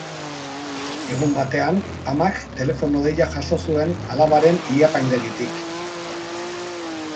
Egun batean, amak telefono-deia jaso zuen alabaren ileapaindegitik.